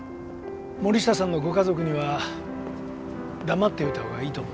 森下さんのご家族には黙っておいた方がいいと思うんだ。